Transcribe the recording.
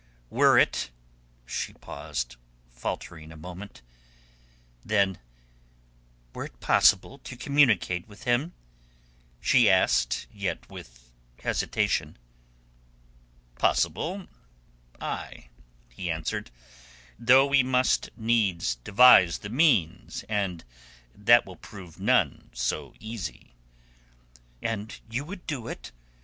"Were it...?" she paused, faltering a moment. Then, "Were it possible to communicate with him?" she asked, yet with hesitation. "Possible—ay," he answered. "Though we must needs devise the means, and that will prove none so easy." "And you would do it?"